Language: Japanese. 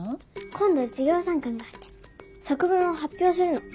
今度授業参観があって作文を発表するの。